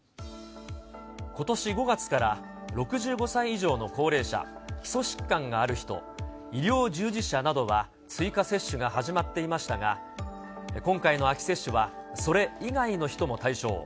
ことし５月から６５歳以上の高齢者、基礎疾患がある人、医療従事者などは追加接種が始まっていましたが、今回の秋接種はそれ以外の人も対象。